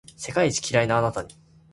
世界一キライなあなたに